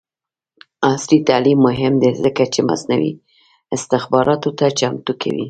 عصري تعلیم مهم دی ځکه چې مصنوعي استخباراتو ته چمتو کوي.